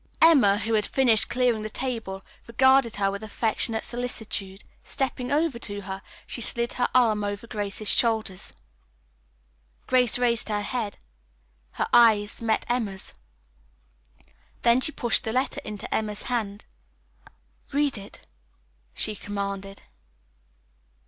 Emma, who had finished clearing the table, regarded her with affectionate solicitude. Stepping over to her, she slid her arm over Grace's shoulders. Grace raised her head. Her eyes met Emma's. Then she pushed the letter into Emma's hand. "Read it," she commanded.